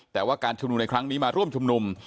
แต่ว่าการชุมนุมในครั้งนี้มาร่วมชุมนุม